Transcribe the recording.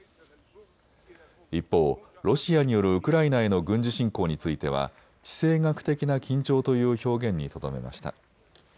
一方、ロシアによるウクライナへの軍事侵攻については地政学的な緊張という表現にとどめました。